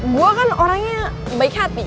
gue kan orang yang baik hati